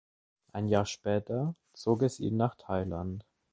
Ein Jahr später zog es ihn nach Thailand.